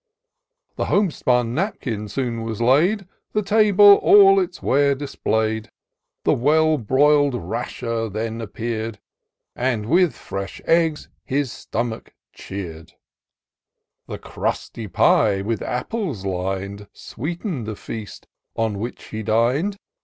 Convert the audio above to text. The home spun napkin soon was laid. The table all its ware display 'd ; The well broil'd rasher then appeared. And with fresh eggs his stomach cheer'd ; The crusty pie, with apples lin'd, Sweeten'd the feast on which he din'd.